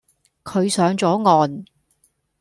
佢上咗岸